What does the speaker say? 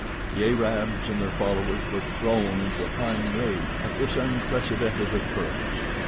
The Arabs and their followers were thrown into a fine rage at this unprecedented occurrence.